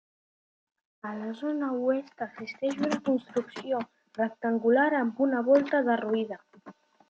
A la zona oest existeix una construcció rectangular amb una volta derruïda.